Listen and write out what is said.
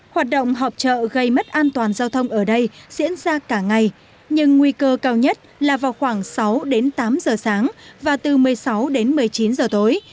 hoạt động họp trợ gây mất an toàn giao thông ở đây diễn ra cả ngày nhưng nguy cơ cao nhất là vào khoảng sáu đến tám giờ sáng và từ một mươi sáu đến một mươi chín giờ tối